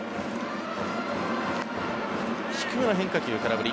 低めの変化球、空振り。